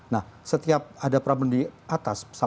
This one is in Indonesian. nah setiap ada problem di atas